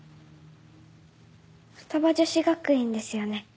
二葉女子学院ですよね